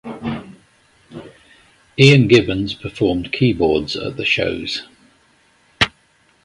Ian Gibbons performed keyboards at the shows.